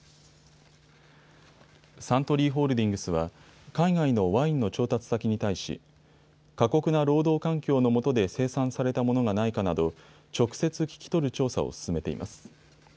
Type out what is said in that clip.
サントリーホールディングスは海外のワインの調達先に対し過酷な労働環境の下で生産されたものがないかなど直接聞き取る調査を進めています。